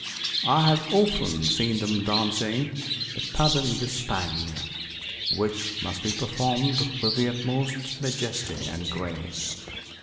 I have often seen them dancing the Pavane d'Espagne, which must be performed with the utmost majesty and grace.